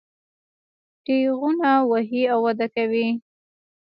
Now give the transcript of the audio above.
تېغونه ووهي او وده وکړي.